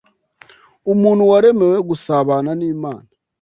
Umuntu waremewe gusabana n’Imana